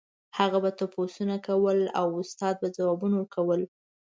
هغه به تپوسونه کول او استاد به ځوابونه ورکول.